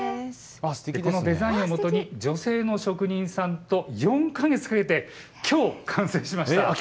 このデザインをもとに女性の職人さんと４か月かけてきょう完成しました。